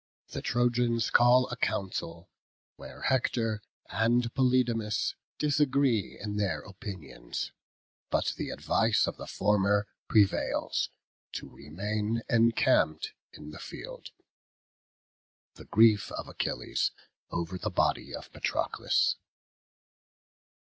The Trojans call a council, where Hector and Polydamas disagree in their opinions; but the advice of the former prevails, to remain encamped in the field. The grief of Achilles over the body of Patroclus.